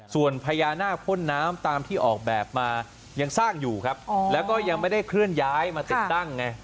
ส่วนพญานาคพ่นน้ำตามที่ออกแบบมายังสร้างอยู่ครับแล้วก็ยังไม่ได้เคลื่อนย้ายมาติดตั้งไง